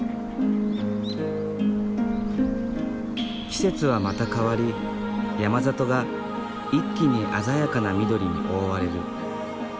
季節はまた変わり山里が一気に鮮やかな緑に覆われる。